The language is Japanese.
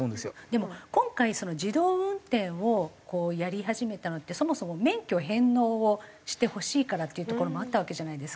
でも今回自動運転をやり始めたのってそもそも免許返納をしてほしいからっていうところもあったわけじゃないですか。